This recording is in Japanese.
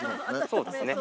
◆そうですね。